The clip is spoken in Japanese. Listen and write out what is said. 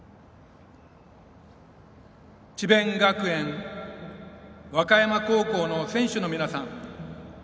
智弁学園和歌山高校の選手の皆さん